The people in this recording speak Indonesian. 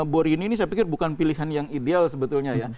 borini ini saya pikir bukan pilihan yang ideal sebetulnya ya